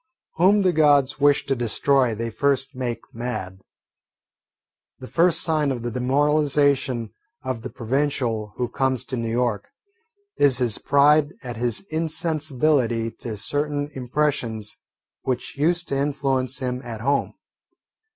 Whom the Gods wish to destroy they first make mad. The first sign of the demoralisation of the provincial who comes to New York is his pride at his insensibility to certain impressions which used to influence him at home.